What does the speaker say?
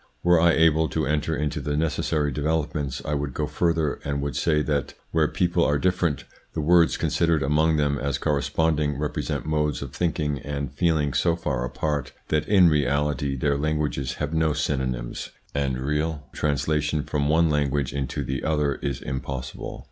Were I able to enter into the necessary developments, I would go further and would say that where peoples are different, the words considered among them as corresponding represent modes of thinking and feeling so far apart, that in reality their languages have no synonyms, and real translation from one language into the other is impossible.